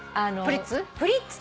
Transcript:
プリッツ？